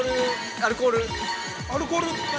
◆アルコール、何。